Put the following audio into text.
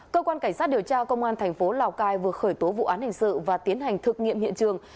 cơ quan cảnh sát điều tra công an thành phố lào cai vừa khởi tố vụ án hình sự và tiến hành thực nghiệm hiện trường